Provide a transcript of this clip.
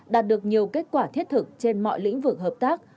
đạt được nhiều kết quả thiết thực trên mọi lĩnh vực hợp tác